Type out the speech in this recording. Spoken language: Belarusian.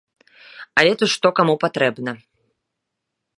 Але тут што каму патрэбна.